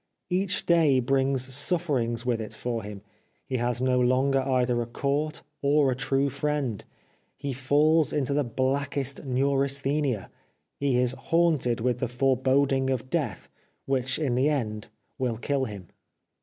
Each day brings sufferings with it for him, he has no longer either a court or a true friend, he falls 420 i PI T % Ni I The Life of Oscar Wilde into the blackest neurasthenia. ... He is haunted with the foreboding of death, which in the end will kill him."